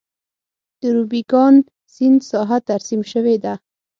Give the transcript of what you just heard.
د روبیکان سیند ساحه ترسیم شوې ده.